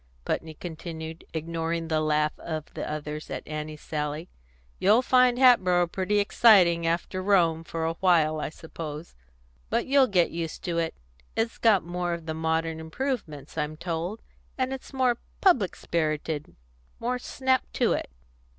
Putney continued, ignoring the laugh of the others at Annie's sally: "You'll find Hatboro' pretty exciting, after Rome, for a while, I suppose. But you'll get used to it. It's got more of the modern improvements, I'm told, and it's more public spirited more snap to it.